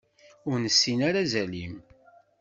Ur nessin ara azal-im.